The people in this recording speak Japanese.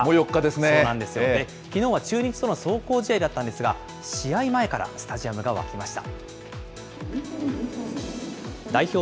そうなんです、きのうは中日との壮行試合だったんですが、試合前からスタジアムが沸きました。